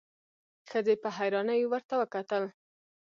ښځې په حيرانی ورته وکتل.